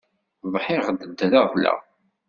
Ḍḥiɣ-d ddreɣleɣ.